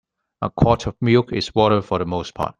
A quart of milk is water for the most part.